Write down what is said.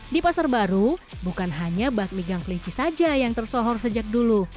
di pasar baru bukan hanya bak ligang kelinci saja yang tersohor sejak dulu